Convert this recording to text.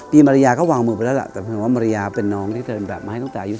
มารยาก็วางมือไปแล้วล่ะแต่เพียงว่ามาริยาเป็นน้องที่เดินแบบมาให้ตั้งแต่อายุ